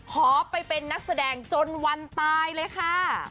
ขอไปเป็นนักแสดงจนวันตายเลยค่ะ